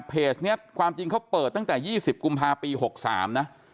เพจนี้ความจริงเขาเปิดตั้งแต่๒๐กุมภาปี๖๓นะ